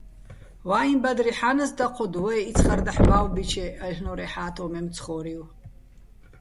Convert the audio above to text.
ვაიჼ ბადრი ჰ̦ა́ნას დაჴოდო̆ ვაჲ იცხარ დაჰ̦ ბა́ვბიჩე - აჲლ'ნო́რ ეჰ̦ა́თ ო მემცხო́რივ.